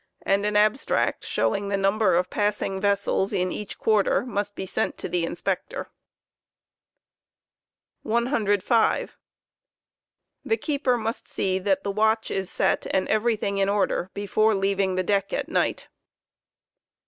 j^g^ an ^ an abstract showing the number of passing vessels in each quarter must be sent to the Inspector. watohea. 105. The keeper must see that the watch is set and everything in order before leaving the deck at night.